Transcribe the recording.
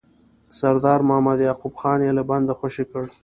سردار محمد یعقوب خان یې له بنده خوشي کړ.